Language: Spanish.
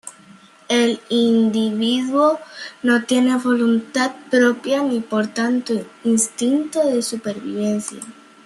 El individuo no tiene voluntad propia, ni por tanto instinto de supervivencia.